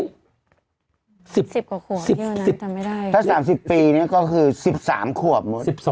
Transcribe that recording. ๑๐กว่าขวบที่วันนั้นทำไม่ได้ถ้า๓๐ปีนี่ก็คือ๑๓ขวบ